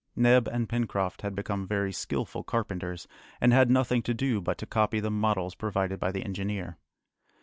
Neb and Pencroft had become very skilful carpenters, and had nothing to do but to copy the models provided by the engineer.